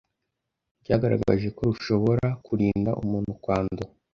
ryagaragaje ko rushobora kurinda umuntu kwandura